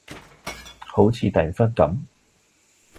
好似訂婚噉？